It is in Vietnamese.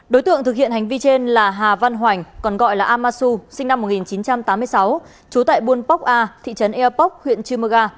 đối tượng thực hiện hành vi trên là hà văn hoành còn gọi là amasu sinh năm một nghìn chín trăm tám mươi sáu